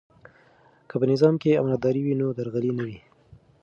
که په نظام کې امانتداري وي نو درغلي نه وي.